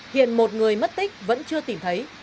hiện một người mất tích vẫn chưa tìm thấy